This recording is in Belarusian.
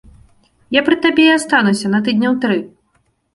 Я пры табе і астануся на тыдняў тры.